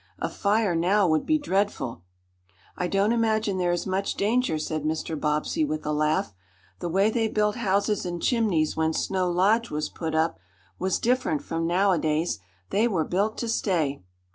"A fire now would be dreadful." "I don't imagine there is much danger," said Mr. Bobbsey, with a laugh. "The way they built houses and chimneys when Snow Lodge was put up was different from nowadays. They were built to stay."